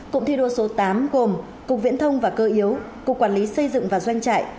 cụm thi đua số tám gồm cục viễn thông và cơ yếu cục quản lý xây dựng và doanh trại